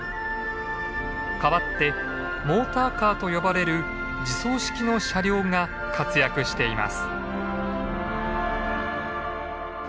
代わってモーターカーと呼ばれる自走式の車両が活躍しています。